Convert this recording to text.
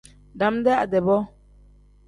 Dam-dee ade-bo.